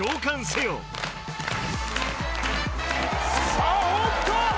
さぁおっと！